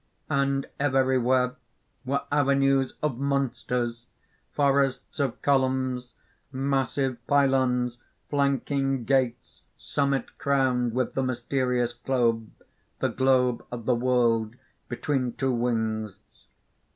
And everywhere were avenues of monsters, forests of columns, massive pylons flanking gates summit crowned with the mysterious globe the globe of the world, between two wings.